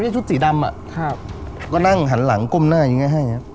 แล้วก็นั่งหันหลังก้มหน้ายังงั้นด้วย